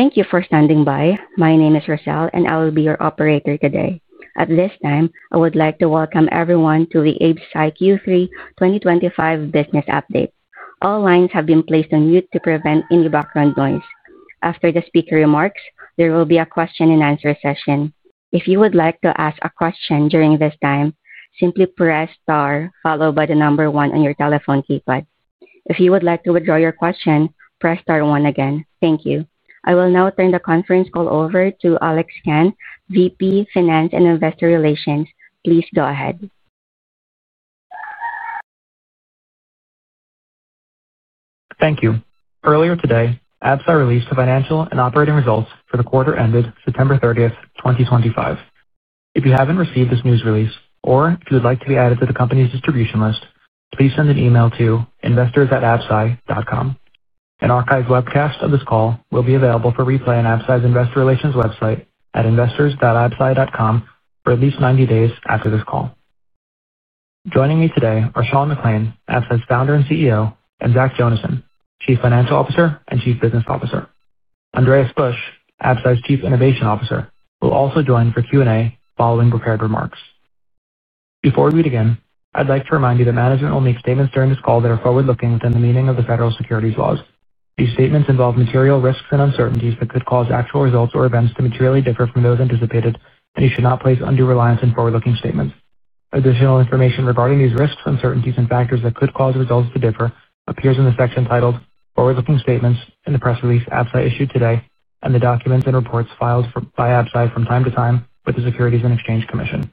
Thank you for standing by. My name is Rochelle, and I will be your operator today. At this time, I would like to welcome everyone to the Absci Q3 2025 business update. All lines have been placed on mute to prevent any background noise. After the speaker remarks, there will be a question-and-answer session. If you would like to ask a question during this time, simply press star followed by the number one on your telephone keypad. If you would like to withdraw your question, press star one again. Thank you. I will now turn the conference call over to Alex Khan, VP, Finance and Investor Relations. Please go ahead. Thank you. Earlier today, Absci released the financial and operating results for the quarter ended September 30th, 2025. If you haven't received this news release, or if you would like to be added to the company's distribution list, please send an email to investors.absci.com. An archived webcast of this call will be available for replay on Absci's investor relations website at investors.absci.com for at least 90 days after this call. Joining me today are Sean McClain, Absci's Founder and CEO, and Zach Jonasson, Chief Financial Officer and Chief Business Officer. Andreas Busch, Absci's Chief Innovation Officer, will also join for Q&A following prepared remarks. Before we begin, I'd like to remind you that management will make statements during this call that are forward-looking within the meaning of the federal securities laws. These statements involve material risks and uncertainties that could cause actual results or events to materially differ from those anticipated, and you should not place undue reliance in forward-looking statements. Additional information regarding these risks, uncertainties, and factors that could cause results to differ appears in the section titled "Forward-looking Statements" in the press release Absci issued today and the documents and reports filed by Absci from time to time with the Securities and Exchange Commission.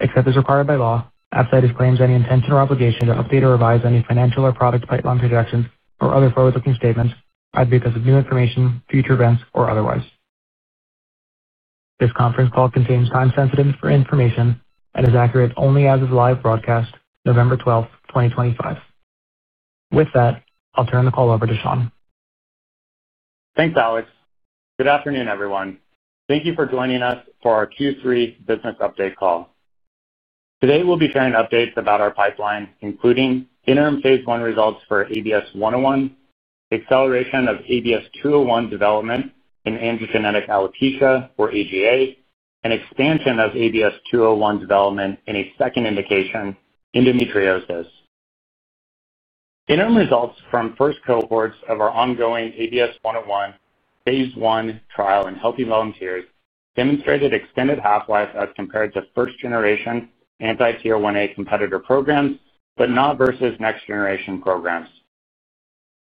Except as required by law, Absci disclaims any intention or obligation to update or revise any financial or product pipeline projections or other forward-looking statements either because of new information, future events, or otherwise. This conference call contains time-sensitive information and is accurate only as of live broadcast November 12th, 2025. With that, I'll turn the call over to Sean. Thanks, Alex. Good afternoon, everyone. Thank you for joining us for our Q3 business update call. Today, we'll be sharing updates about our pipeline, including interim phase I results for ABS-101, acceleration of ABS-201 development in androgenetic alopecia, or AGA, and expansion of ABS-201 development in a second indication, endometriosis. Interim results from first cohorts of our ongoing ABS-101 phase I trial in healthy volunteers demonstrated extended half-life as compared to first-generation anti-TL1A competitor programs, but not versus next-generation programs.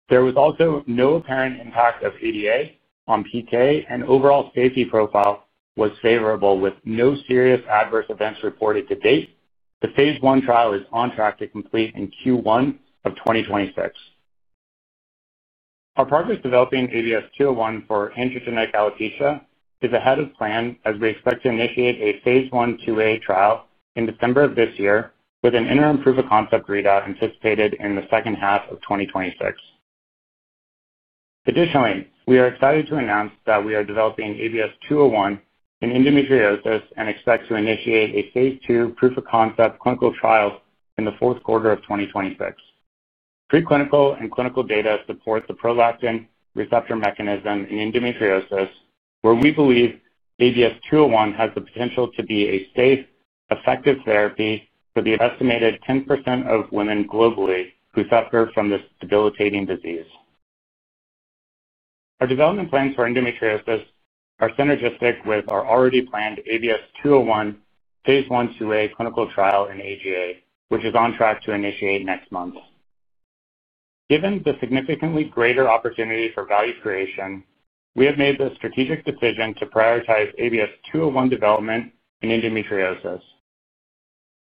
There was also no apparent impact of ADA on PK, and overall safety profile was favorable with no serious adverse events reported to date. The phase I trial is on track to complete in Q1 of 2026. Our progress developing ABS-201 for androgenetic alopecia is ahead of plan, as we expect to initiate a phase I/IIa trial in December of this year, with an interim proof of concept readout anticipated in the second half of 2026. Additionally, we are excited to announce that we are developing ABS-201 in endometriosis and expect to initiate a phase II proof of concept clinical trial in the fourth quarter of 2026. Preclinical and clinical data support the prolactin receptor mechanism in endometriosis, where we believe ABS-201 has the potential to be a safe, effective therapy for the estimated 10% of women globally who suffer from this debilitating disease. Our development plans for endometriosis are synergistic with our already planned ABS-201 phase I/IIa clinical trial in AGA, which is on track to initiate next month. Given the significantly greater opportunity for value creation, we have made the strategic decision to prioritize ABS-201 development in endometriosis.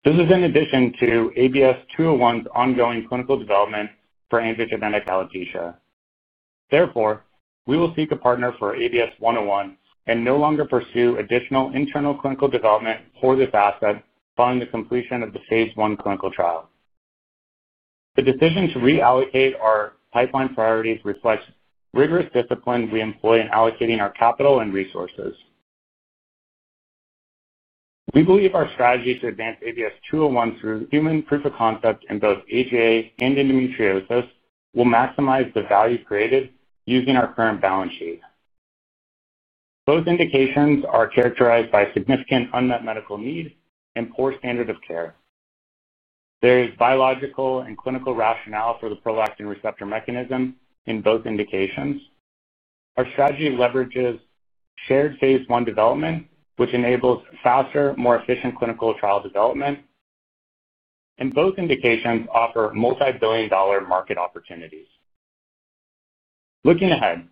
This is in addition to ABS-201's ongoing clinical development for androgenetic alopecia. Therefore, we will seek a partner for ABS-101 and no longer pursue additional internal clinical development for this asset following the completion of the phase I clinical trial. The decision to reallocate our pipeline priorities reflects rigorous discipline we employ in allocating our capital and resources. We believe our strategy to advance ABS-201 through human proof of concept in both AGA and endometriosis will maximize the value created using our current balance sheet. Both indications are characterized by significant unmet medical need and poor standard of care. There is biological and clinical rationale for the prolactin receptor mechanism in both indications. Our strategy leverages shared phase I development, which enables faster, more efficient clinical trial development. Both indications offer multi-billion dollar market opportunities. Looking ahead,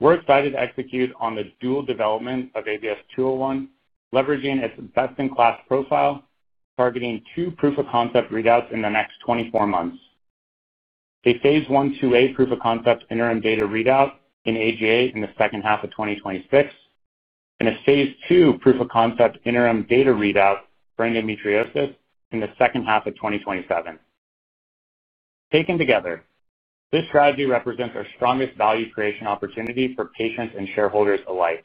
we're excited to execute on the dual development of ABS-201, leveraging its best-in-class profile, targeting two proof of concept readouts in the next 24 months: a phase I/IIa proof of concept interim data readout in AGA in the second half of 2026, and a phase II proof of concept interim data readout for endometriosis in the second half of 2027. Taken together, this strategy represents our strongest value creation opportunity for patients and shareholders alike.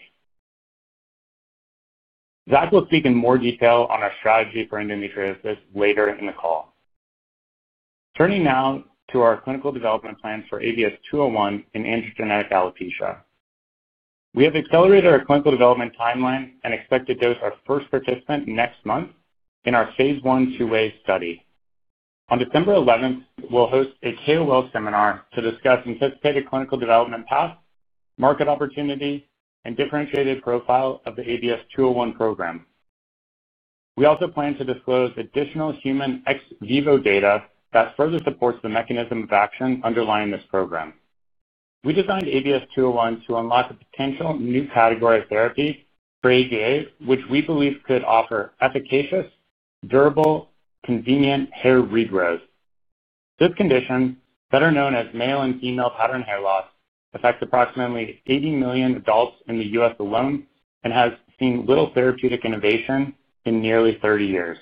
Zach will speak in more detail on our strategy for endometriosis later in the call. Turning now to our clinical development plans for ABS-201 in androgenetic alopecia. We have accelerated our clinical development timeline and expect to dose our first participant next month in our phase I/IIa study. On December 11, we'll host a KOL seminar to discuss anticipated clinical development path, market opportunity, and differentiated profile of the ABS-201 program. We also plan to disclose additional human ex vivo data that further supports the mechanism of action underlying this program. We designed ABS-201 to unlock a potential new category of therapy for AGA, which we believe could offer efficacious, durable, convenient hair regrowth. This condition, better known as male and female pattern hair loss, affects approximately 80 million adults in the U.S. alone and has seen little therapeutic innovation in nearly 30 years.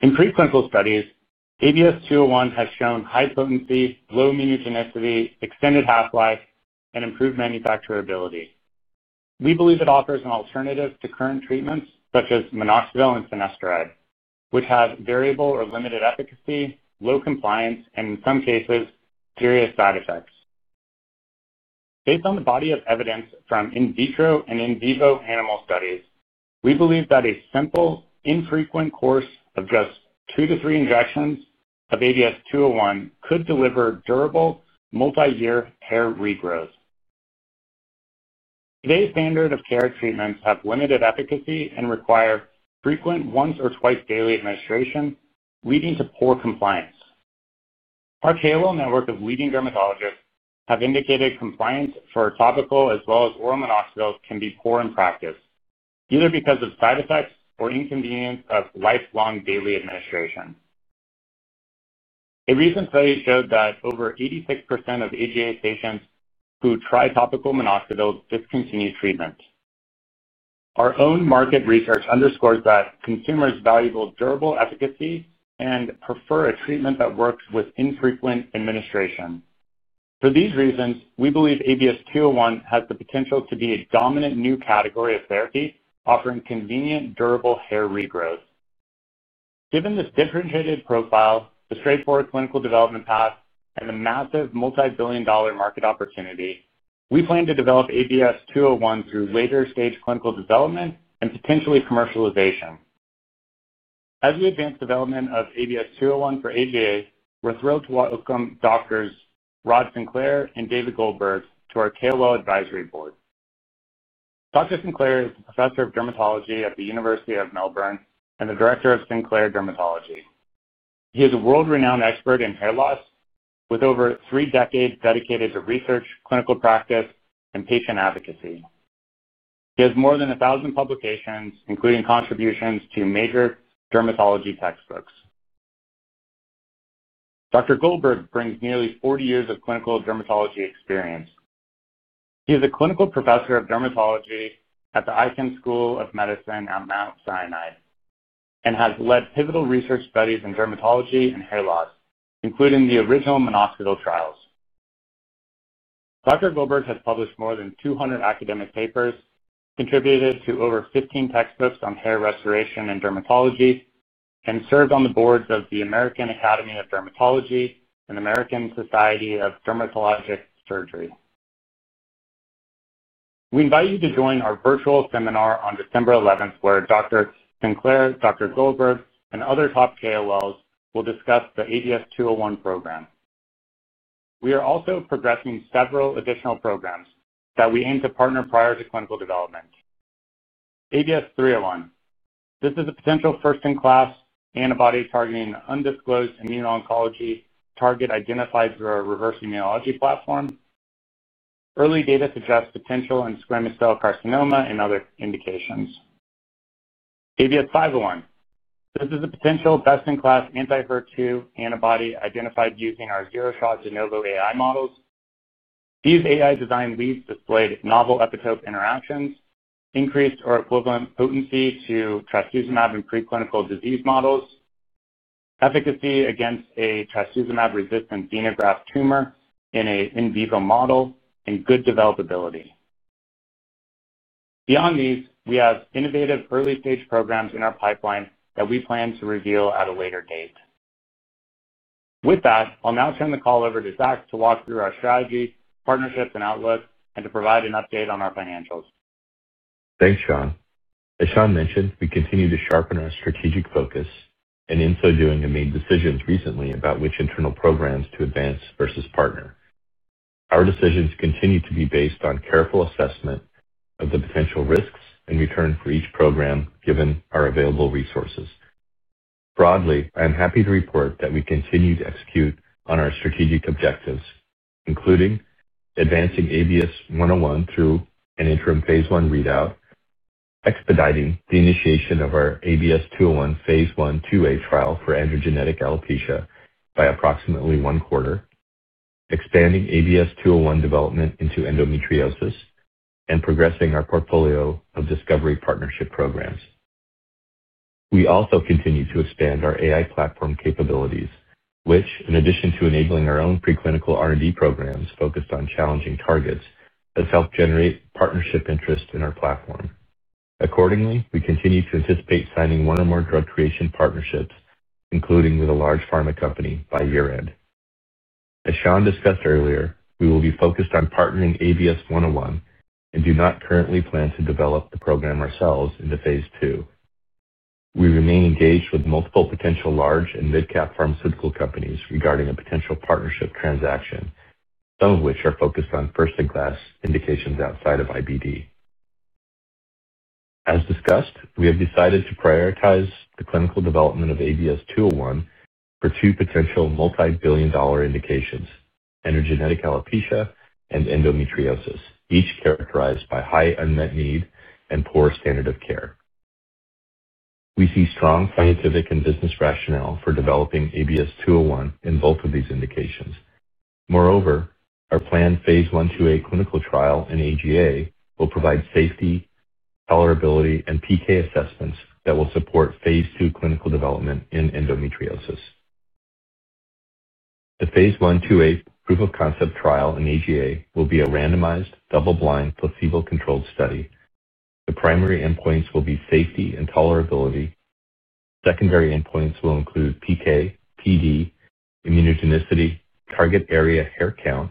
In pre-clinical studies, ABS-201 has shown high potency, low immunogenicity, extended half-life, and improved manufacturability. We believe it offers an alternative to current treatments such as minoxidil and finasteride, which have variable or limited efficacy, low compliance, and in some cases, serious side effects. Based on the body of evidence from in vitro and in vivo animal studies, we believe that a simple, infrequent course of just two to three injections of ABS-201 could deliver durable, multi-year hair regrowth. Today's standard of care treatments have limited efficacy and require frequent once or twice-daily administration, leading to poor compliance. Our KOL network of leading dermatologists have indicated compliance for topical as well as oral minoxidil can be poor in practice, either because of side effects or inconvenience of lifelong daily administration. A recent study showed that over 86% of AGA patients who try topical minoxidil discontinue treatment. Our own market research underscores that consumers value both durable efficacy and prefer a treatment that works with infrequent administration. For these reasons, we believe ABS-201 has the potential to be a dominant new category of therapy, offering convenient, durable hair regrowth. Given this differentiated profile, the straightforward clinical development path, and the massive multi-billion dollar market opportunity, we plan to develop ABS-201 through later-stage clinical development and potentially commercialization. As we advance development of ABS-201 for AGA, we're thrilled to welcome Dr. Rod Sinclair and David Goldberg to our KOL advisory board. Dr. Sinclair is a professor of dermatology at the University of Melbourne and the director of Sinclair Dermatology. He is a world-renowned expert in hair loss with over three decades dedicated to research, clinical practice, and patient advocacy. He has more than 1,000 publications, including contributions to major dermatology textbooks. Dr. Goldberg brings nearly 40 years of clinical dermatology experience. He is a clinical professor of dermatology at the Icahn School of Medicine at Mount Sinai and has led pivotal research studies in dermatology and hair loss, including the original minoxidil trials. Dr. Goldberg has published more than 200 academic papers, contributed to over 15 textbooks on hair restoration and dermatology, and served on the boards of the American Academy of Dermatology and the American Society of Dermatologic Surgery. We invite you to join our virtual seminar on December 11 where Dr. Sinclair, Dr. Goldberg, and other top KOLs will discuss the ABS-201 program. We are also progressing several additional programs that we aim to partner with prior to clinical development. ABS-301. This is a potential first-in-class antibody targeting undisclosed immune oncology target identified through our reverse immunology platform. Early data suggest potential in squamous cell carcinoma and other indications. ABS-501. This is a potential best-in-class anti-HER2 antibody identified using our zero-shot de novo AI models. These AI-designed leads displayed novel epitope interactions, increased or equivalent potency to trastuzumab in preclinical disease models, efficacy against a trastuzumab-resistant xenograft tumor in an in vivo model, and good developability. Beyond these, we have innovative early-stage programs in our pipeline that we plan to reveal at a later date. With that, I'll now turn the call over to Zach to walk through our strategy, partnerships, and outlook, and to provide an update on our financials. Thanks, Sean. As Sean mentioned, we continue to sharpen our strategic focus and in so doing have made decisions recently about which internal programs to advance versus partner. Our decisions continue to be based on careful assessment of the potential risks and return for each program given our available resources. Broadly, I am happy to report that we continue to execute on our strategic objectives, including advancing ABS-101 through an interim phase I readout, expediting the initiation of our ABS-201 phase I/IIa trial for androgenetic alopecia by approximately one quarter, expanding ABS-201 development into endometriosis, and progressing our portfolio of discovery partnership programs. We also continue to expand our AI platform capabilities, which, in addition to enabling our own preclinical R&D programs focused on challenging targets, has helped generate partnership interest in our platform. Accordingly, we continue to anticipate signing one or more drug creation partnerships, including with a large pharma company, by year-end. As Sean discussed earlier, we will be focused on partnering ABS-101 and do not currently plan to develop the program ourselves into phase II. We remain engaged with multiple potential large and mid-cap pharmaceutical companies regarding a potential partnership transaction, some of which are focused on first-in-class indications outside of IBD. As discussed, we have decided to prioritize the clinical development of ABS-201 for two potential multi-billion dollar indications: androgenetic alopecia and endometriosis, each characterized by high unmet need and poor standard of care. We see strong scientific and business rationale for developing ABS-201 in both of these indications. Moreover, our planned phase I/IIa clinical trial in AGA will provide safety, tolerability, and PK assessments that will support phase II clinical development in endometriosis. The phase I/IIa proof of concept trial in AGA will be a randomized, double-blind, placebo-controlled study. The primary endpoints will be safety and tolerability. Secondary endpoints will include PK, PD, immunogenicity, target area hair count,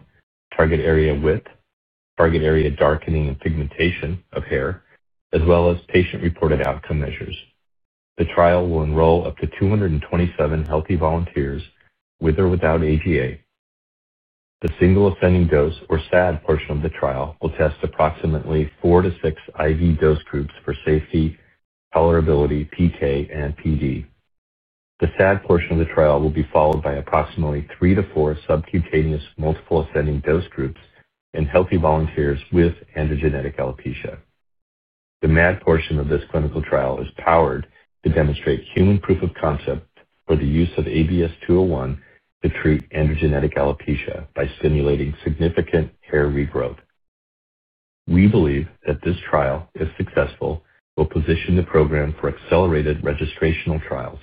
target area width, target area darkening and pigmentation of hair, as well as patient-reported outcome measures. The trial will enroll up to 227 healthy volunteers with or without AGA. The single ascending dose or SAD portion of the trial will test approximately four to six IV dose groups for safety, tolerability, PK, and PD. The SAD portion of the trial will be followed by approximately three to four subcutaneous multiple ascending dose groups in healthy volunteers with androgenetic alopecia. The MAD portion of this clinical trial is powered to demonstrate human proof of concept for the use of ABS-201 to treat androgenetic alopecia by stimulating significant hair regrowth. We believe that this trial, if successful, will position the program for accelerated registrational trials.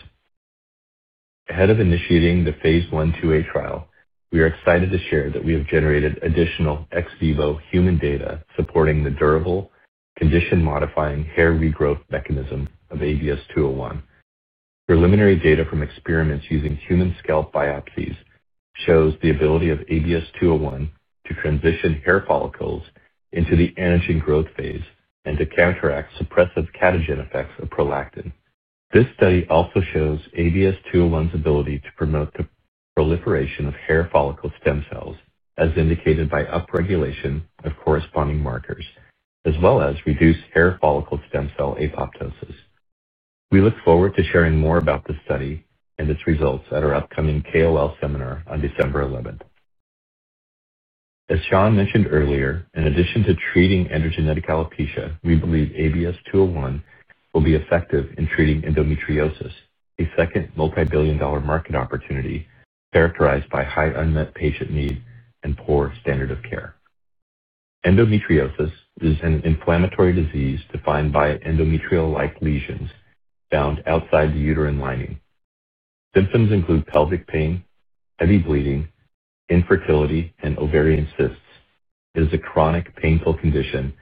Ahead of initiating the phase I/IIa trial, we are excited to share that we have generated additional ex vivo human data supporting the durable, condition-modifying hair regrowth mechanism of ABS-201. Preliminary data from experiments using human scalp biopsies shows the ability of ABS-201 to transition hair follicles into the anagen growth phase and to counteract suppressive catechin effects of prolactin. This study also shows ABS-201's ability to promote the proliferation of hair follicle stem cells, as indicated by upregulation of corresponding markers, as well as reduce hair follicle stem cell apoptosis. We look forward to sharing more about this study and its results at our upcoming KOL seminar on December 11. As Sean mentioned earlier, in addition to treating androgenetic alopecia, we believe ABS-201 will be effective in treating endometriosis, a second multi-billion dollar market opportunity characterized by high unmet patient need and poor standard of care. Endometriosis is an inflammatory disease defined by endometrial-like lesions found outside the uterine lining. Symptoms include pelvic pain, heavy bleeding, infertility, and ovarian cysts. It is a chronic, painful condition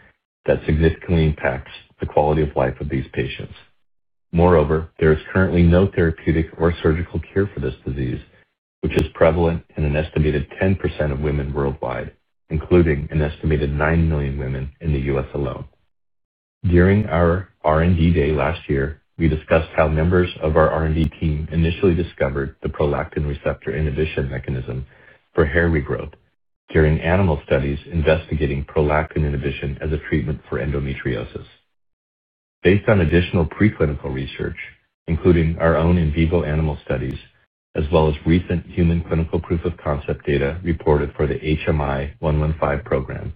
that significantly impacts the quality of life of these patients. Moreover, there is currently no therapeutic or surgical cure for this disease, which is prevalent in an estimated 10% of women worldwide, including an estimated 9 million women in the U.S. alone. During our R&D day last year, we discussed how members of our R&D team initially discovered the prolactin receptor inhibition mechanism for hair regrowth during animal studies investigating prolactin inhibition as a treatment for endometriosis. Based on additional preclinical research, including our own in vivo animal studies, as well as recent human clinical proof of concept data reported for the HMI-115 program,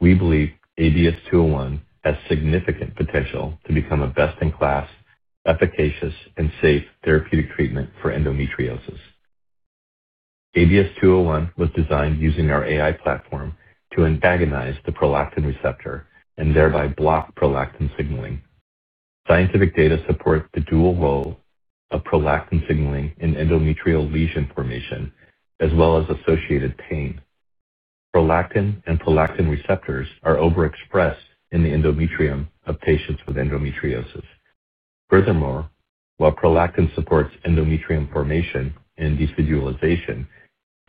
we believe ABS-201 has significant potential to become a best-in-class, efficacious, and safe therapeutic treatment for endometriosis. ABS-201 was designed using our AI platform to antagonize the prolactin receptor and thereby block prolactin signaling. Scientific data support the dual role of prolactin signaling in endometrial lesion formation, as well as associated pain. Prolactin and prolactin receptors are overexpressed in the endometrium of patients with endometriosis. Furthermore, while prolactin supports endometrium formation and desiderialization,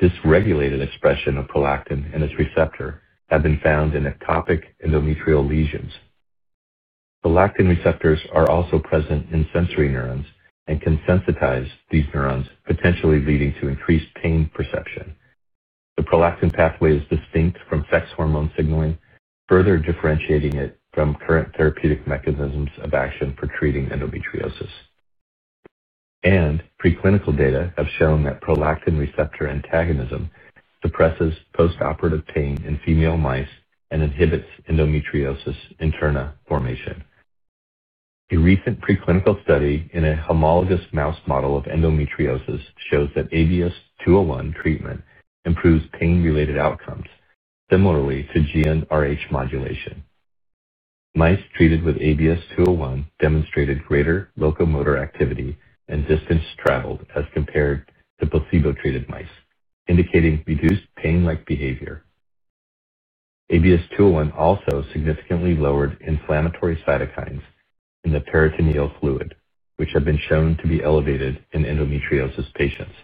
dysregulated expression of prolactin and its receptor have been found in ectopic endometrial lesions. Prolactin receptors are also present in sensory neurons and can sensitize these neurons, potentially leading to increased pain perception. The prolactin pathway is distinct from sex hormone signaling, further differentiating it from current therapeutic mechanisms of action for treating endometriosis. Preclinical data have shown that prolactin receptor antagonism suppresses postoperative pain in female mice and inhibits endometriosis interna formation. A recent preclinical study in a homologous mouse model of endometriosis shows that ABS-201 treatment improves pain-related outcomes, similarly to GnRH modulation. Mice treated with ABS-201 demonstrated greater locomotor activity and distance traveled as compared to placebo-treated mice, indicating reduced pain-like behavior. ABS-201 also significantly lowered inflammatory cytokines in the peritoneal fluid, which have been shown to be elevated in endometriosis patients.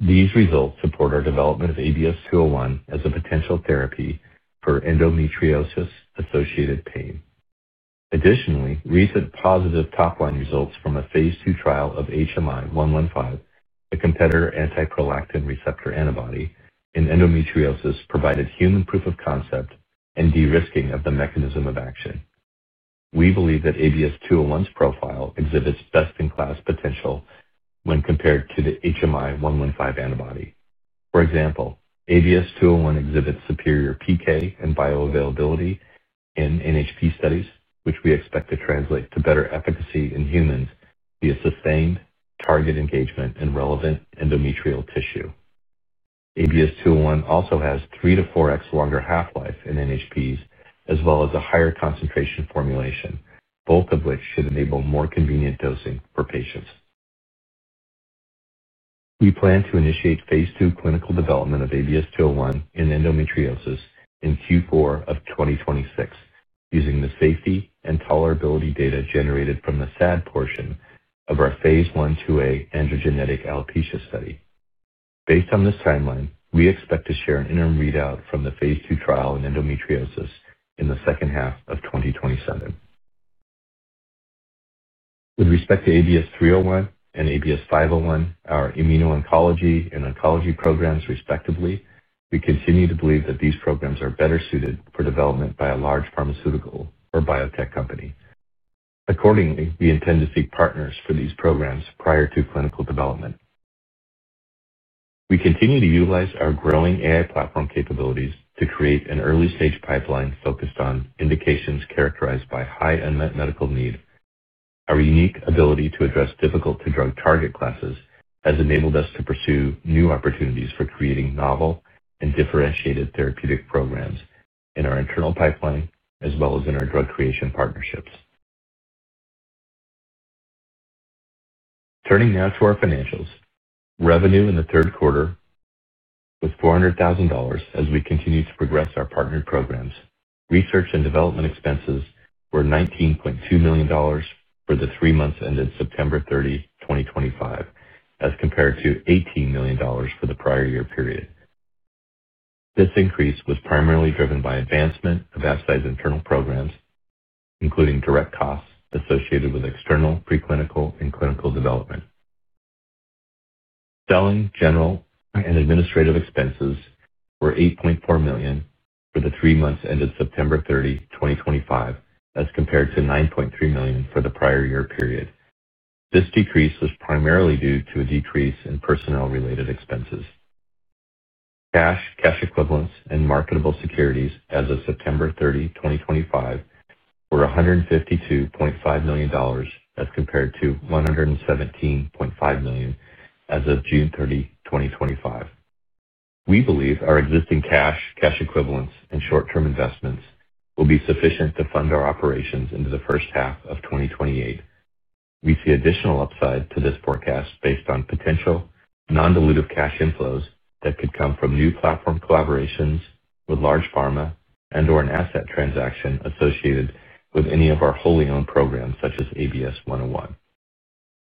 These results support our development of ABS-201 as a potential therapy for endometriosis-associated pain. Additionally, recent positive top-line results from a phase II trial of HMI-115, a competitor anti-prolactin receptor antibody in endometriosis, provided human proof of concept and derisking of the mechanism of action. We believe that ABS-201's profile exhibits best-in-class potential when compared to the HMI-115 antibody. For example, ABS-201 exhibits superior PK and bioavailability in NHP studies, which we expect to translate to better efficacy in humans via sustained target engagement in relevant endometrial tissue. ABS-201 also has three- to four-times longer half-life in NHPs, as well as a higher concentration formulation, both of which should enable more convenient dosing for patients. We plan to initiate phase II clinical development of ABS-201 in endometriosis in Q4 of 2026, using the safety and tolerability data generated from the SAD portion of our phase I/IIa androgenetic alopecia study. Based on this timeline, we expect to share an interim readout from the phase II trial in endometriosis in the second half of 2027. With respect to ABS-301 and ABS-501, our immunoncology and oncology programs, respectively, we continue to believe that these programs are better suited for development by a large pharmaceutical or biotech company. Accordingly, we intend to seek partners for these programs prior to clinical development. We continue to utilize our growing AI platform capabilities to create an early-stage pipeline focused on indications characterized by high unmet medical need. Our unique ability to address difficult-to-drug target classes has enabled us to pursue new opportunities for creating novel and differentiated therapeutic programs in our internal pipeline, as well as in our drug creation partnerships. Turning now to our financials. Revenue in the third quarter was $400,000 as we continue to progress our partnered programs. Research and development expenses were $19.2 million for the three months ended September 30, 2025, as compared to $18 million for the prior year period. This increase was primarily driven by advancement of outside internal programs, including direct costs associated with external preclinical and clinical development. Selling, general, and administrative expenses were $8.4 million for the three months ended September 30, 2025, as compared to $9.3 million for the prior year period. This decrease was primarily due to a decrease in personnel-related expenses. Cash, cash equivalents, and marketable securities as of September 30, 2025, were $152.5 million as compared to $117.5 million as of June 30, 2025. We believe our existing cash, cash equivalents, and short-term investments will be sufficient to fund our operations into the first half of 2028. We see additional upside to this forecast based on potential non-dilutive cash inflows that could come from new platform collaborations with large pharma and/or an asset transaction associated with any of our wholly-owned programs such as ABS-101.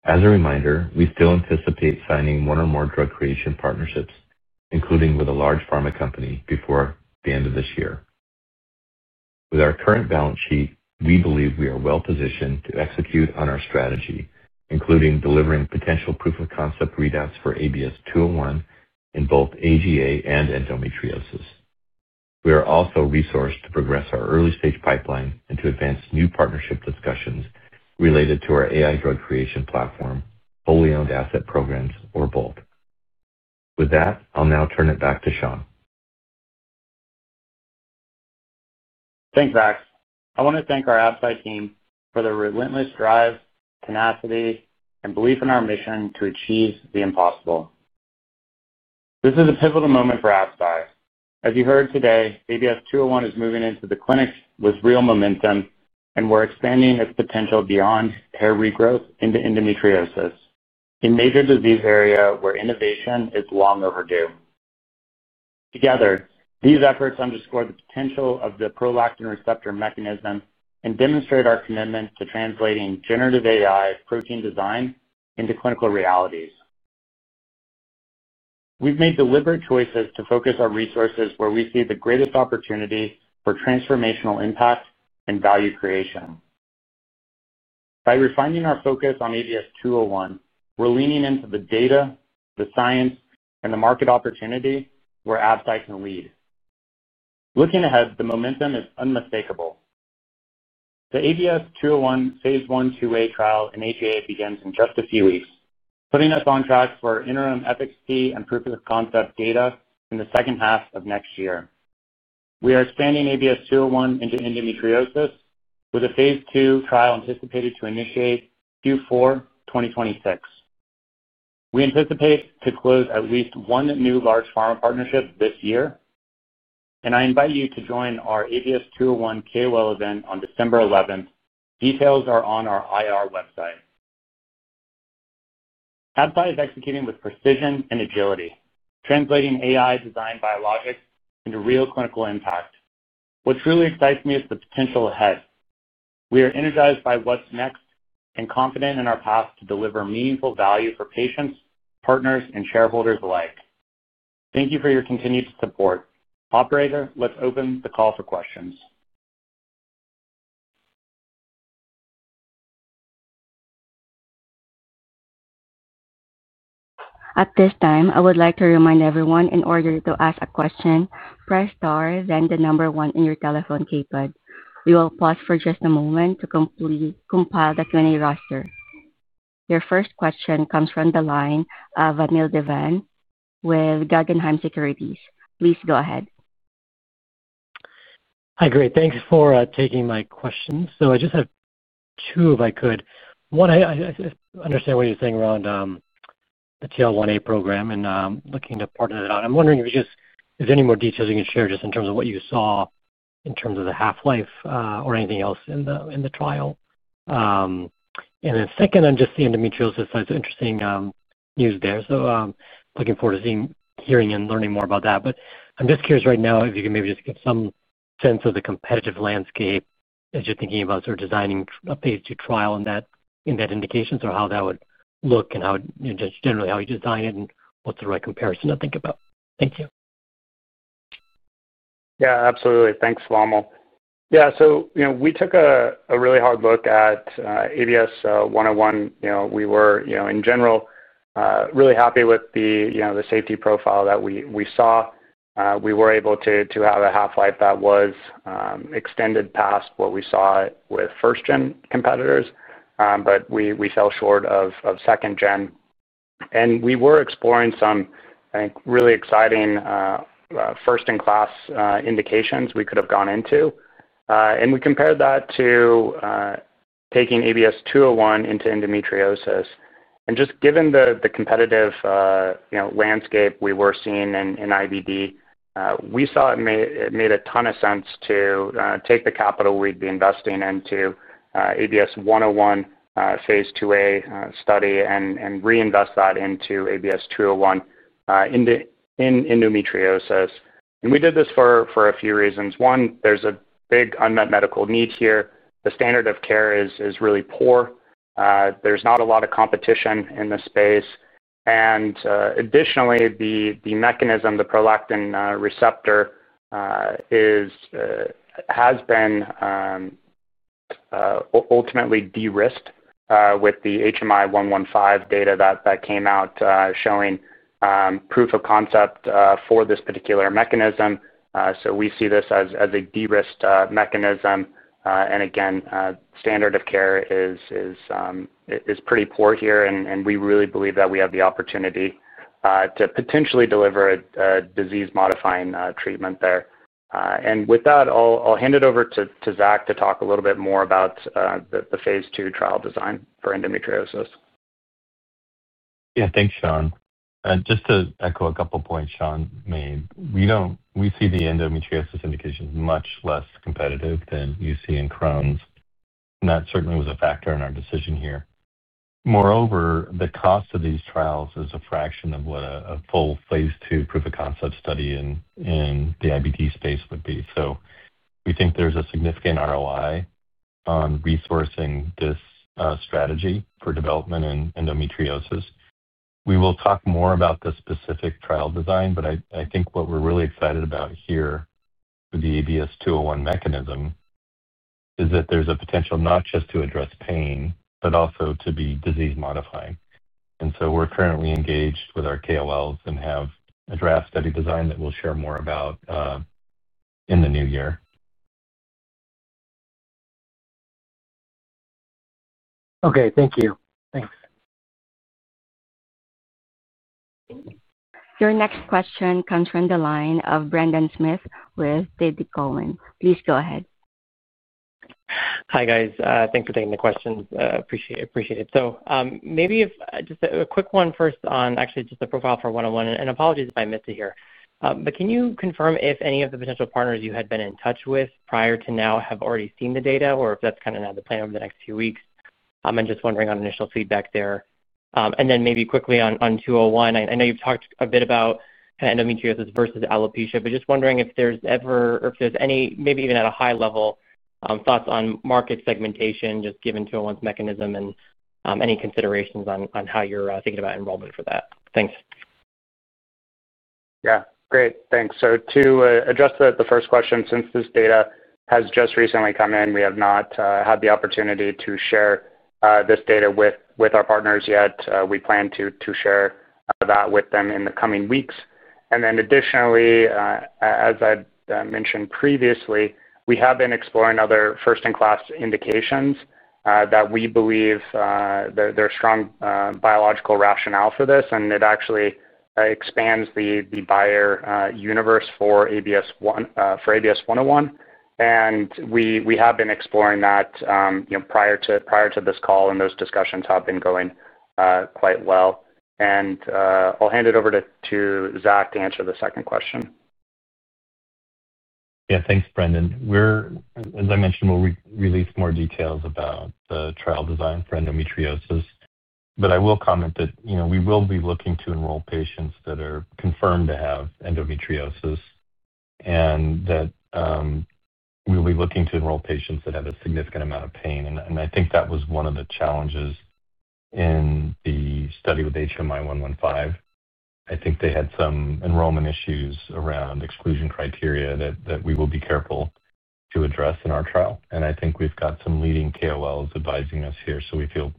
As a reminder, we still anticipate signing one or more drug creation partnerships, including with a large pharma company, before the end of this year. With our current balance sheet, we believe we are well-positioned to execute on our strategy, including delivering potential proof of concept readouts for ABS-201 in both AGA and endometriosis. We are also resourced to progress our early-stage pipeline and to advance new partnership discussions related to our AI drug creation platform, wholly-owned asset programs, or both. With that, I'll now turn it back to Sean. Thanks, Zach. I want to thank our Absci team for their relentless drive, tenacity, and belief in our mission to achieve the impossible. This is a pivotal moment for ABS-201. As you heard today, ABS-201 is moving into the clinics with real momentum, and we're expanding its potential beyond hair regrowth into endometriosis, a major disease area where innovation is long overdue. Together, these efforts underscore the potential of the prolactin receptor mechanism and demonstrate our commitment to translating generative AI protein design into clinical realities. We've made deliberate choices to focus our resources where we see the greatest opportunity for transformational impact and value creation. By refining our focus on ABS-201, we're leaning into the data, the science, and the market opportunity where ABS-201 can lead. Looking ahead, the momentum is unmistakable. The ABS-201 phase I/IIa trial in AGA begins in just a few weeks, putting us on track for interim efficacy and proof of concept data in the second half of next year. We are expanding ABS-201 into endometriosis with a phase II trial anticipated to initiate Q4 2026. We anticipate to close at least one new large pharma partnership this year, and I invite you to join our ABS-201 KOL event on December 11. Details are on our IR website. ABS-201 is executing with precision and agility, translating AI design biologics into real clinical impact. What truly excites me is the potential ahead. We are energized by what's next and confident in our path to deliver meaningful value for patients, partners, and shareholders alike. Thank you for your continued support. Operator, let's open the call for questions. At this time, I would like to remind everyone in order to ask a question, press star, then the number one on your telephone keypad. We will pause for just a moment to compile the Q&A roster. Your first question comes from the line of Vamil Divan with Guggenheim Securities. Please go ahead. Hi, great. Thanks for taking my question. I just have two, if I could. One, I understand what you're saying around the TL1A program and looking to partner it out. I'm wondering if there's any more details you can share just in terms of what you saw in terms of the half-life or anything else in the trial. Then, I'm just seeing endometriosis as interesting news there. Looking forward to hearing and learning more about that. I'm just curious right now if you can maybe just give some sense of the competitive landscape as you're thinking about sort of designing a phase II trial in that indication or how that would look and generally how you design it and what's the right comparison to think about. Thank you. Yeah, absolutely. Thanks, Vamil. Yeah, so we took a really hard look at ABS-101. We were, in general, really happy with the safety profile that we saw. We were able to have a half-life that was extended past what we saw with first-gen competitors, but we fell short of second-gen. We were exploring some, I think, really exciting first-in-class indications we could have gone into. We compared that to taking ABS-201 into endometriosis. Given the competitive landscape we were seeing in IBD, we saw it made a ton of sense to take the capital we'd be investing into ABS-101 phase IIa study and reinvest that into ABS-201 in endometriosis. We did this for a few reasons. One, there's a big unmet medical need here. The standard of care is really poor. There's not a lot of competition in the space. Additionally, the mechanism, the prolactin receptor, has been ultimately de-risked with the HMI-115 data that came out showing proof of concept for this particular mechanism. We see this as a de-risked mechanism. Again, standard of care is pretty poor here, and we really believe that we have the opportunity to potentially deliver a disease-modifying treatment there. With that, I'll hand it over to Zach to talk a little bit more about the phase II trial design for endometriosis. Yeah, thanks, Sean. Just to echo a couple of points Sean made, we see the endometriosis indications much less competitive than you see in Crohn's. That certainly was a factor in our decision here. Moreover, the cost of these trials is a fraction of what a full phase II proof of concept study in the IBD space would be. We think there's a significant ROI on resourcing this strategy for development in endometriosis. We will talk more about the specific trial design, but I think what we're really excited about here with the ABS-201 mechanism is that there's a potential not just to address pain, but also to be disease-modifying. We're currently engaged with our KOLs and have a draft study design that we'll share more about in the new year. Okay, thank you. Thanks. Your next question comes from the line of Brendan Smith with TD Cowen. Please go ahead. Hi, guys. Thanks for taking the question. Appreciate it. Maybe just a quick one first on actually just the profile for 101. Apologies if I missed it here. Can you confirm if any of the potential partners you had been in touch with prior to now have already seen the data, or if that's kind of now the plan over the next few weeks? I'm just wondering on initial feedback there. Then maybe quickly on 201, I know you've talked a bit about endometriosis versus alopecia, but just wondering if there's ever, if there's any, maybe even at a high level, thoughts on market segmentation just given 201's mechanism and any considerations on how you're thinking about enrollment for that. Thanks. Yeah, great. Thanks. To address the first question, since this data has just recently come in, we have not had the opportunity to share this data with our partners yet. We plan to share that with them in the coming weeks. Additionally, as I mentioned previously, we have been exploring other first-in-class indications that we believe there are strong biological rationale for this, and it actually expands the buyer universe for ABS-101. We have been exploring that prior to this call, and those discussions have been going quite well. I'll hand it over to Zach to answer the second question. Yeah, thanks, Brendan. As I mentioned, we'll release more details about the trial design for endometriosis. I will comment that we will be looking to enroll patients that are confirmed to have endometriosis and that we'll be looking to enroll patients that have a significant amount of pain. I think that was one of the challenges in the study with HMI-115. I think they had some enrollment issues around exclusion criteria that we will be careful to address in our trial. I think we've got some leading KOLs advising us here, so we feel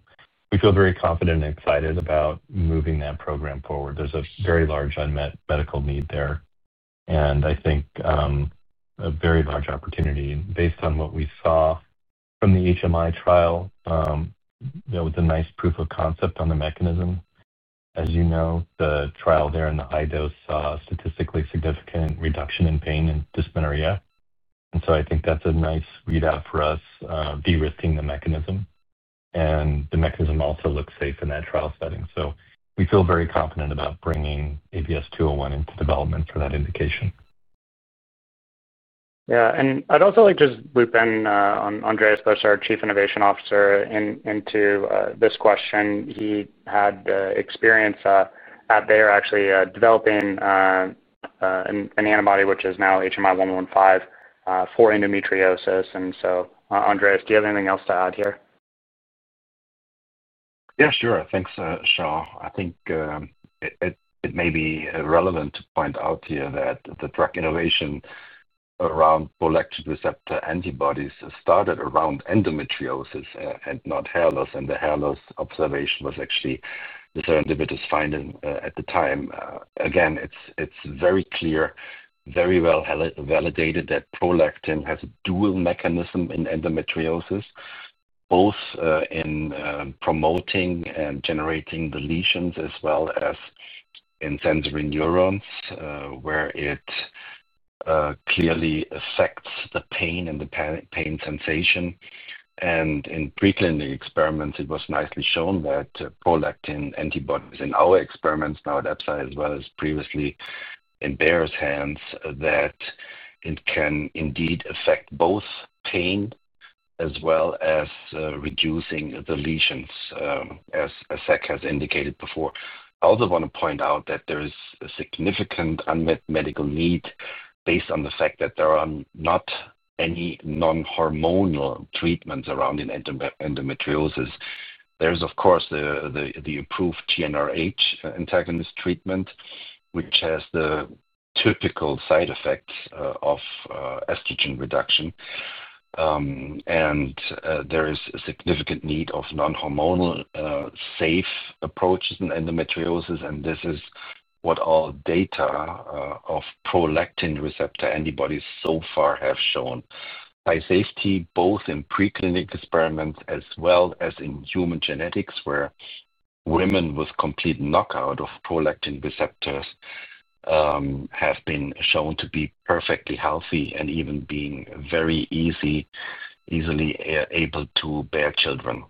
very confident and excited about moving that program forward. There's a very large unmet medical need there, and I think a very large opportunity. Based on what we saw from the HMI trial, there was a nice proof of concept on the mechanism. As you know, the trial there in the high dose saw statistically significant reduction in pain and dysmenorrhea. I think that's a nice readout for us, de-risking the mechanism. The mechanism also looks safe in that trial setting. We feel very confident about bringing ABS-201 into development for that indication. Yeah. I'd also like to just loop in Andreas, our Chief Innovation Officer, into this question. He had experience out there actually developing an antibody, which is now HMI-115, for endometriosis. Andreas, do you have anything else to add here? Yeah, sure. Thanks, Sean. I think it may be relevant to point out here that the drug innovation around prolactin receptor antibodies started around endometriosis and not hair loss. The hair loss observation was actually the scientific finding at the time. Again, it's very clear, very well validated that prolactin has a dual mechanism in endometriosis, both in promoting and generating the lesions as well as in sensory neurons, where it clearly affects the pain and the pain sensation. In pre-clinical experiments, it was nicely shown that prolactin antibodies in our experiments now at ABS-201, as well as previously in Bayer's hands, that it can indeed affect both pain as well as reducing the lesions, as Zach has indicated before. I also want to point out that there is a significant unmet medical need based on the fact that there are not any non-hormonal treatments around endometriosis. There is, of course, the approved GnRH antagonist treatment, which has the typical side effects of estrogen reduction. There is a significant need of non-hormonal safe approaches in endometriosis. This is what all data of prolactin receptor antibodies so far have shown. By safety, both in pre-clinical experiments as well as in human genetics, where women with complete knockout of prolactin receptors have been shown to be perfectly healthy and even being very easily able to bear children.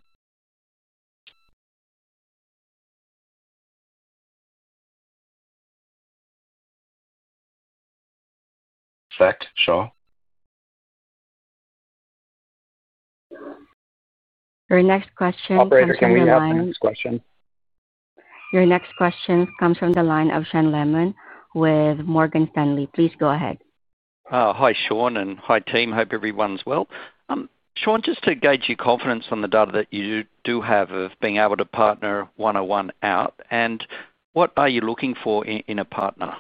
Zach, Sean? Your next question comes from the line of Sean. Your next question comes from the line of Sean Laaman with Morgan Stanley. Please go ahead. Hi, Sean, and hi, team. Hope everyone's well. Sean, just to gauge your confidence on the data that you do have of being able to partner 101 out, and what are you looking for in a partner?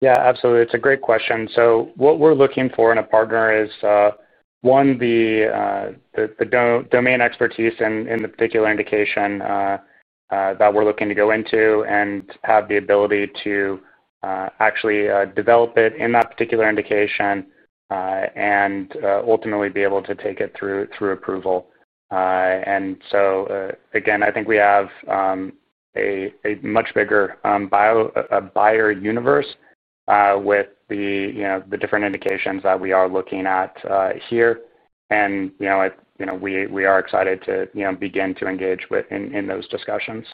Yeah, absolutely. It's a great question. What we're looking for in a partner is, one, the domain expertise in the particular indication that we're looking to go into and have the ability to actually develop it in that particular indication and ultimately be able to take it through approval. Again, I think we have a much bigger buyer universe with the different indications that we are looking at here. We are excited to begin to engage in those discussions.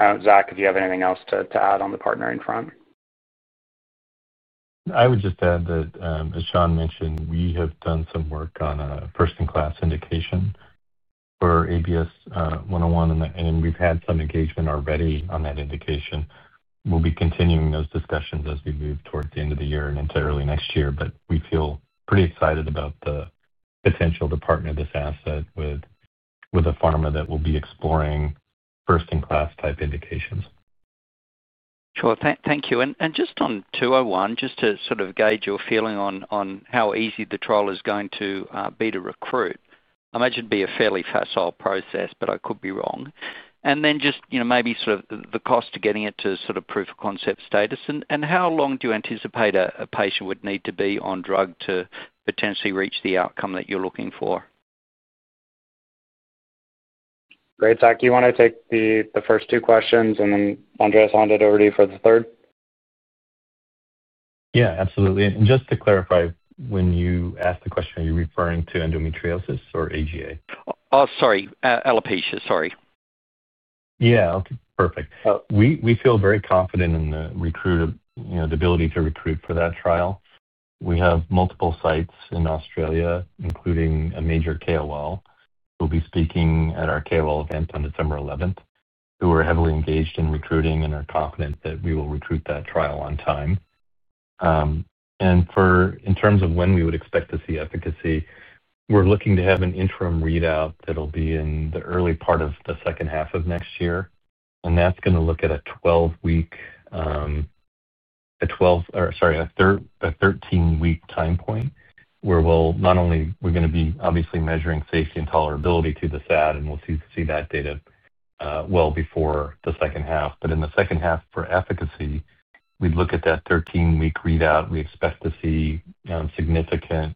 Zach, if you have anything else to add on the partnering front? I would just add that, as Sean mentioned, we have done some work on a first-in-class indication for ABS-101, and we've had some engagement already on that indication. We'll be continuing those discussions as we move towards the end of the year and into early next year, but we feel pretty excited about the potential to partner this asset with a pharma that will be exploring first-in-class type indications. Sure. Thank you. And just on 201, just to sort of gauge your feeling on how easy the trial is going to be to recruit, I imagine it'd be a fairly facile process, but I could be wrong. And then just maybe sort of the cost of getting it to sort of proof of concept status. And how long do you anticipate a patient would need to be on drug to potentially reach the outcome that you're looking for? Great. Zach, do you want to take the first two questions, and then Andreas hand it over to you for the third? Yeah, absolutely. Just to clarify, when you asked the question, are you referring to endometriosis or AGA? Oh, sorry. Alopecia, sorry. Yeah. Okay. Perfect. We feel very confident in the ability to recruit for that trial. We have multiple sites in Australia, including a major KOL. We will be speaking at our KOL event on December 11. We are heavily engaged in recruiting and are confident that we will recruit that trial on time. In terms of when we would expect to see efficacy, we are looking to have an interim readout that will be in the early part of the second half of next year. That is going to look at a 12-week, sorry, a 13-week time point where we are not only going to be obviously measuring safety and tolerability to the SAD, and we will see that data well before the second half. But in the second half for efficacy, we'd look at that 13-week readout. We expect to see significant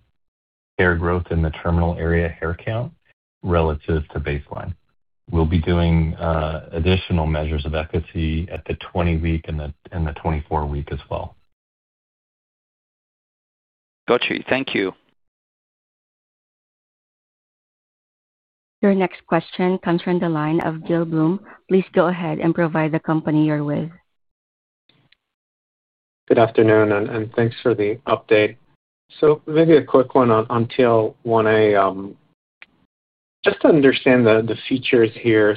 hair growth in the terminal area hair count relative to baseline. We'll be doing additional measures of efficacy at the 20-week and the 24-week as well. Got you. Thank you. Your next question comes from the line of Gil Blum. Please go ahead and provide the company you're with. Good afternoon, and thanks for the update. Maybe a quick one on TL1A. Just to understand the features here.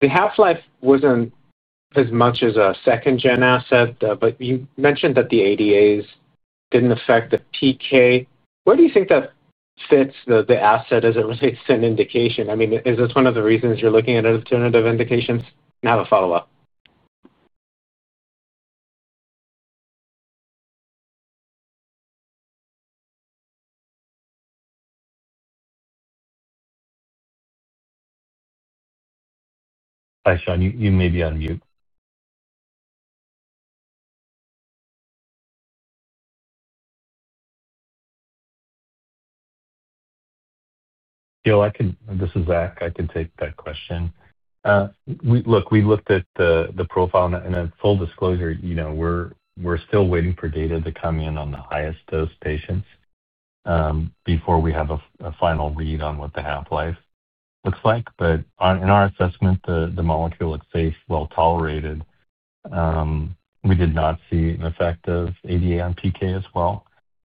The half-life wasn't as much as a second-gen asset, but you mentioned that the ADAs didn't affect the PK. Where do you think that fits the asset as it relates to an indication? I mean, is this one of the reasons you're looking at an alternative indication? Now, the follow-up. Hi, Sean. You may be on mute. This is Zach. I can take that question. Look, we looked at the profile. And full disclosure, we're still waiting for data to come in on the highest dose patients before we have a final read on what the half-life looks like. But in our assessment, the molecule looks safe, well tolerated. We did not see an effect of ADA on PK as well.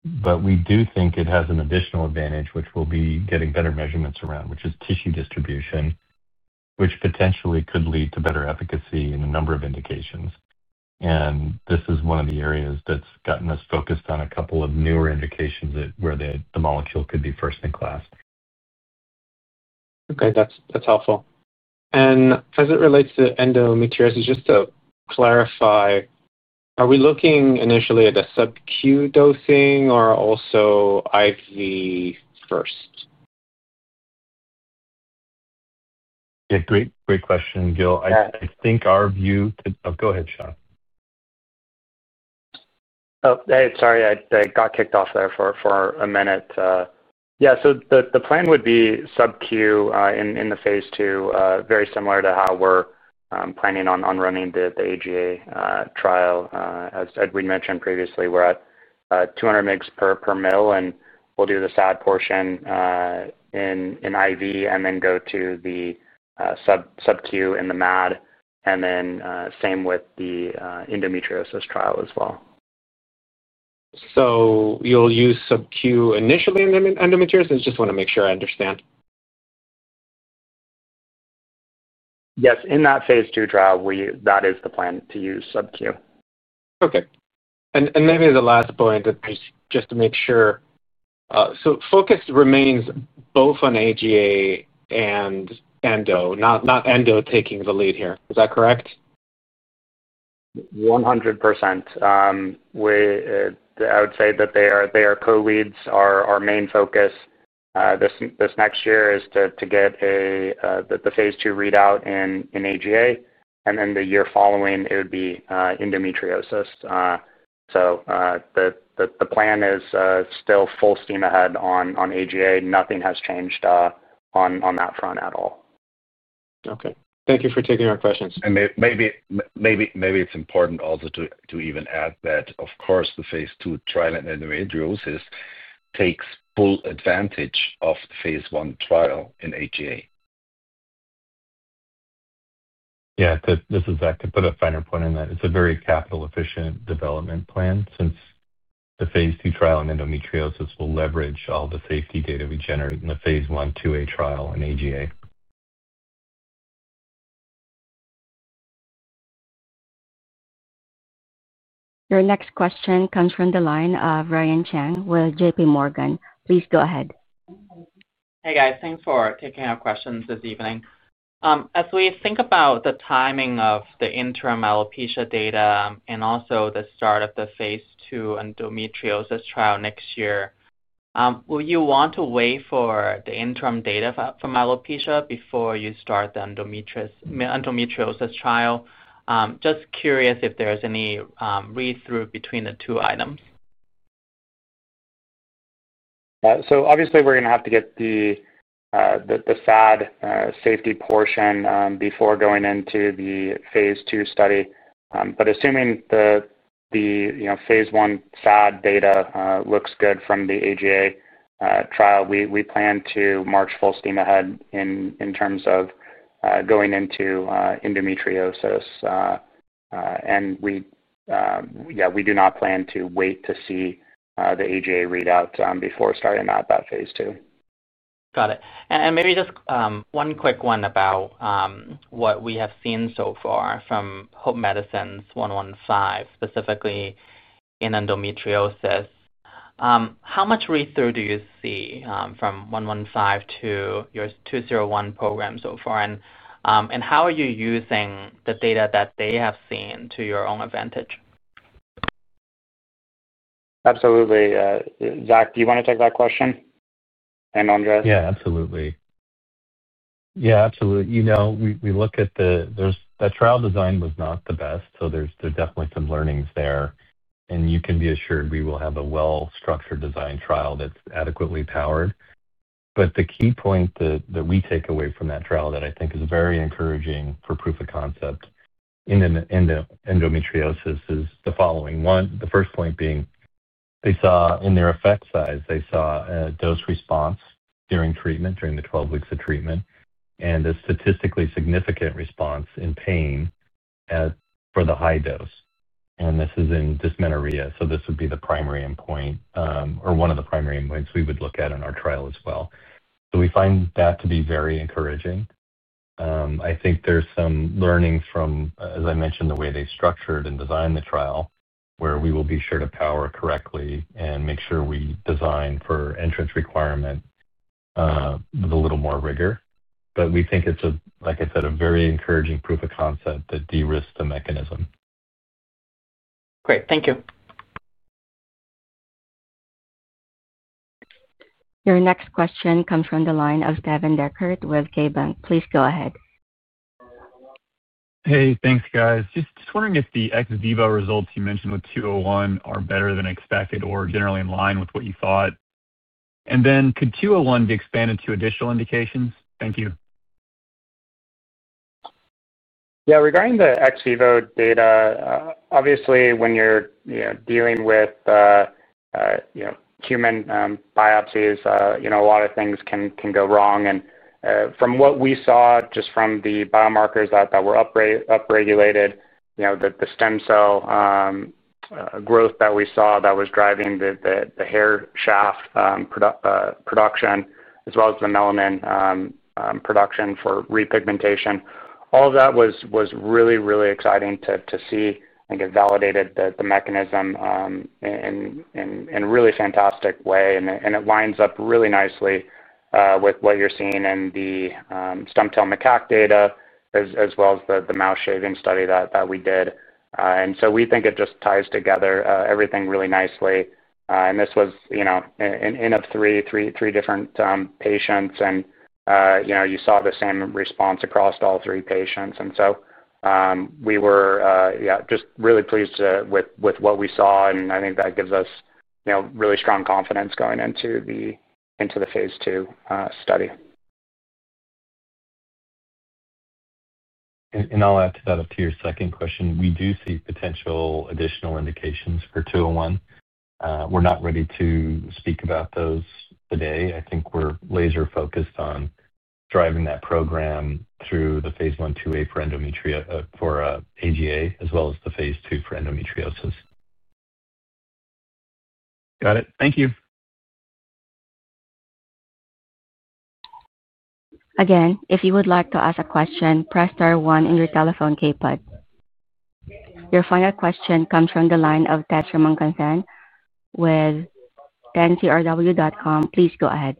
But we do think it has an additional advantage, which we'll be getting better measurements around, which is tissue distribution, which potentially could lead to better efficacy in a number of indications. This is one of the areas that's gotten us focused on a couple of newer indications where the molecule could be first-in-class. Okay. That's helpful. And as it relates to endometriosis, just to clarify, are we looking initially at a sub-Q dosing or also IV first? Yeah. Great question, Gil. I think our view—oh, go ahead, Sean. Oh, hey, sorry. I got kicked off there for a minute. Yeah. The plan would be sub-Q in the phase II, very similar to how we're planning on running the AGA trial. As we mentioned previously, we're at 200 mg per ml, and we'll do the SAD portion in IV and then go to the sub-Q in the MAD, and then same with the endometriosis trial as well. You'll use sub-Q initially in endometriosis? I just want to make sure I understand. Yes. In that phase II trial, that is the plan to use sub-Q. Okay. Maybe the last point, just to make sure, focus remains both on AGA and endo, not endo taking the lead here. Is that correct? 100%. I would say that their co-leads, our main focus this next year is to get the phase II readout in AGA. Then the year following, it would be endometriosis. The plan is still full steam ahead on AGA. Nothing has changed on that front at all. Okay. Thank you for taking our questions. Maybe it's important also to even add that, of course, the phase II trial in endometriosis takes full advantage of the phase I trial in AGA. Yeah. This is Zach. I put a finer point in that. It's a very capital-efficient development plan since the phase II trial in endometriosis will leverage all the safety data we generate in the phase I/IIa trial in AGA. Your next question comes from the line of Brian Cheng with JPMorgan. Please go ahead. Hey, guys. Thanks for taking our questions this evening. As we think about the timing of the interim alopecia data and also the start of the phase II endometriosis trial next year, will you want to wait for the interim data from alopecia before you start the endometriosis trial? Just curious if there's any read-through between the two items. Obviously, we're going to have to get the SAD safety portion before going into the phase II study. Assuming the phase I SAD data looks good from the AGA trial, we plan to march full steam ahead in terms of going into endometriosis. Yeah, we do not plan to wait to see the AGA readout before starting out that phase II. Got it. Maybe just one quick one about what we have seen so far from Hope Medicine's 115, specifically in endometriosis. How much read-through do you see from 115 to your 201 program so far? How are you using the data that they have seen to your own advantage? Absolutely. Zach, do you want to take that question? And Andreas? Yeah, absolutely. We look at the trial design was not the best, so there are definitely some learnings there. You can be assured we will have a well-structured design trial that is adequately powered. The key point that we take away from that trial that I think is very encouraging for proof of concept in endometriosis is the following. The first point being, in their effect size, they saw a dose response during treatment, during the 12 weeks of treatment, and a statistically significant response in pain for the high dose. This is in dysmenorrhea. This would be the primary endpoint or one of the primary endpoints we would look at in our trial as well. We find that to be very encouraging. I think there's some learnings from, as I mentioned, the way they structured and designed the trial, where we will be sure to power correctly and make sure we design for entrance requirement with a little more rigor. We think it's, like I said, a very encouraging proof of concept that de-risked the mechanism. Great. Thank you. Your next question comes from the line of Steve Dechert with KeyBanc. Please go ahead. Hey, thanks, guys. Just wondering if the ex-vivo results you mentioned with 201 are better than expected or generally in line with what you thought. And then could 201 be expanded to additional indications? Thank you. Yeah. Regarding the ex-vivo data, obviously, when you're dealing with human biopsies, a lot of things can go wrong. From what we saw, just from the biomarkers that were upregulated, the stem cell growth that we saw that was driving the hair shaft production, as well as the melanin production for repigmentation, all of that was really, really exciting to see and get validated the mechanism in a really fantastic way. It lines up really nicely with what you're seeing in the stem cell macaque data, as well as the mouse shaving study that we did. We think it just ties together everything really nicely. This was in three different patients, and you saw the same response across all three patients. We were just really pleased with what we saw. I think that gives us really strong confidence going into the phase II study. I'll add to that up to your second question. We do see potential additional indications for 201. We're not ready to speak about those today. I think we're laser-focused on driving that program through the phase I/IIa for AGA, as well as the phase II for endometriosis. Got it. Thank you. Again, if you would like to ask a question, press star one on your telephone keypad. Your final question comes from the line of Shamankansan with tancrw.com. Please go ahead.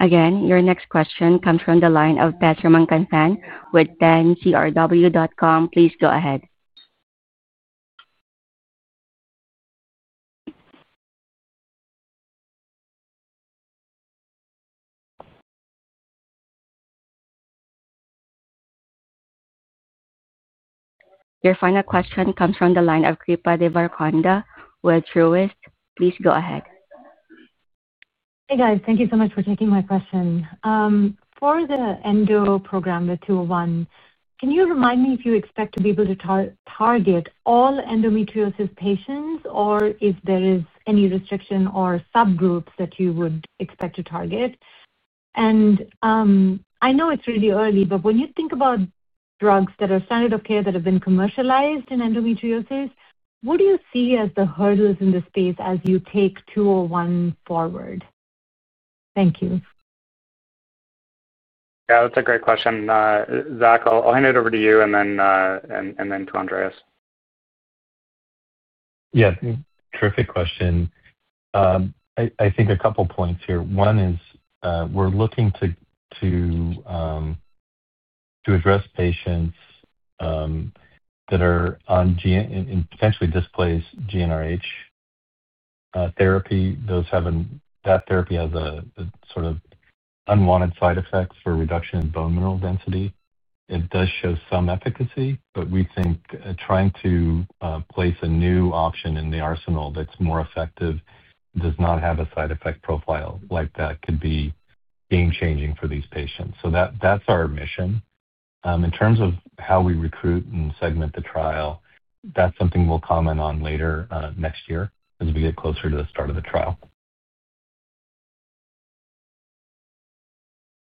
Again, your next question comes from the line of tancrw.com with tancrw.com. Please go ahead. Your final question comes from the line of Kripa Devarakonda with Truist. Please go ahead. Hey, guys. Thank you so much for taking my question. For the endo program, the 201, can you remind me if you expect to be able to target all endometriosis patients, or if there is any restriction or subgroups that you would expect to target? I know it's really early, but when you think about drugs that are standard of care that have been commercialized in endometriosis, what do you see as the hurdles in this space as you take 201 forward? Thank you. Yeah. That's a great question. Zach, I'll hand it over to you and then to Andreas. Yeah. Terrific question. I think a couple of points here. One is we're looking to address patients that are on potentially displaced GnRH therapy. That therapy has a sort of unwanted side effect for reduction in bone mineral density. It does show some efficacy, but we think trying to place a new option in the arsenal that's more effective does not have a side effect profile like that could be game-changing for these patients. That's our mission. In terms of how we recruit and segment the trial, that's something we'll comment on later next year as we get closer to the start of the trial.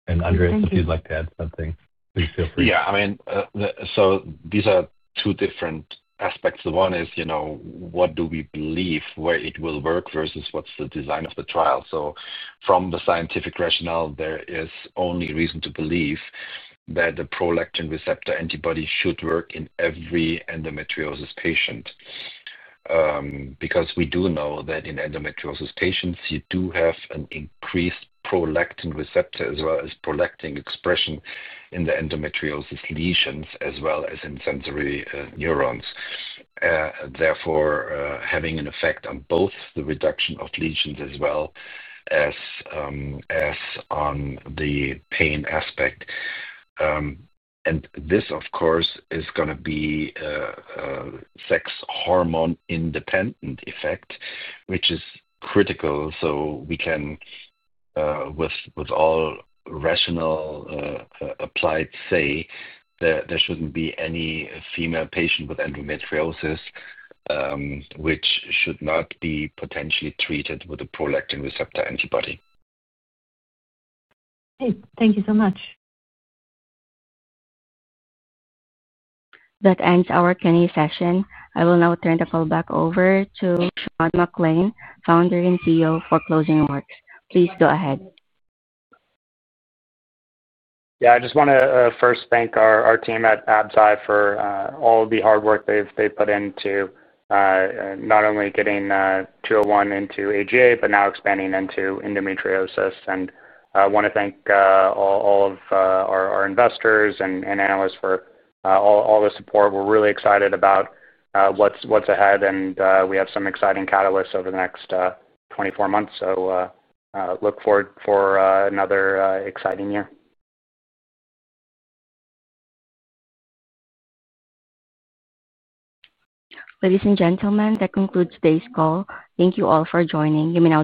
Andreas, if you'd like to add something, please feel free. Yeah. I mean, these are two different aspects. One is what do we believe where it will work versus what's the design of the trial. From the scientific rationale, there is only reason to believe that the prolactin receptor antibody should work in every endometriosis patient because we do know that in endometriosis patients, you do have an increased prolactin receptor as well as prolactin expression in the endometriosis lesions as well as in sensory neurons. Therefore, having an effect on both the reduction of lesions as well as on the pain aspect. This, of course, is going to be a sex hormone-independent effect, which is critical so we can, with all rational applied, say there should not be any female patient with endometriosis who should not be potentially treated with a prolactin receptor antibody. Okay. Thank you so much. That ends our Q&A session. I will now turn the call back over to Sean McClain, Founder and CEO, for closing remarks. Please go ahead. Yeah. I just want to first thank our team at Absci for all of the hard work they've put into not only getting 201 into AGA, but now expanding into endometriosis. I want to thank all of our investors and analysts for all the support. We're really excited about what's ahead, and we have some exciting catalysts over the next 24 months. Look forward to another exciting year. Ladies and gentlemen, that concludes today's call. Thank you all for joining. You may now disconnect.